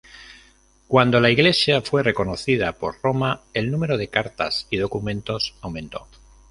Cuando la Iglesia fue reconocida por Roma, el número de cartas y documentos aumento.